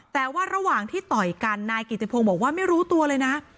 แต่ว่าระหว่างที่ต่อยกันนายกิติพงศ์บอกว่าไม่รู้ตัวเลยนะ